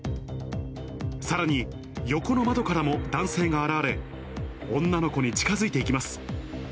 さらに、横の窓からも男性が現れ、女の子に近づいていきます。